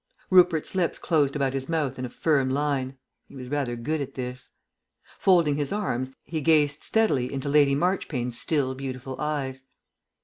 Rupert's lips closed about his mouth in a firm line. (He was rather good at this.) Folding his arms, he gazed steadily into Lady Marchpane's still beautiful eyes.